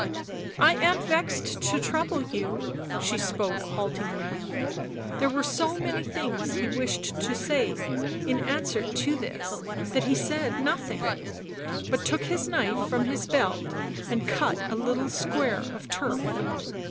" I am vexed to trouble you "— she spoke haltingly. There were so many things he wished to say in answer to this that he said nothing, but took his knife from his belt and cut a little square of turf.